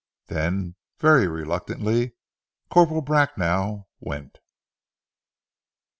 Then, very reluctantly, Corporal Bracknell went.